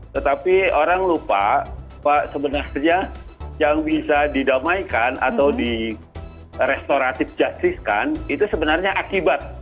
tetapi orang lupa bahwa sebenarnya yang bisa didamaikan atau di restoratif justice kan itu sebenarnya akibat